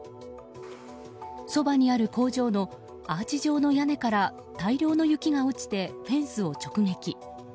そばにある工場のアーチ状の屋根から大量の雪が落ちてフェンスを直撃。